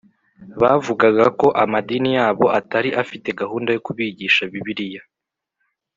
Bavugaga ko amadini yabo atari afite gahunda yo kubigisha Bibiliya